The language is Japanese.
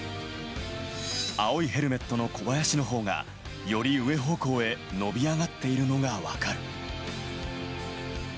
青いヘルメットの小林のほうが、より上方向へ伸び上がっているのがわかる。